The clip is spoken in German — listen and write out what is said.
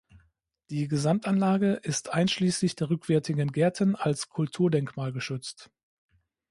Die Gesamtanlage ist einschließlich der rückwärtigen Gärten als Kulturdenkmal geschützt.